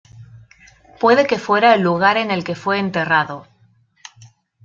Puede que fuera el lugar en el que fue enterrado.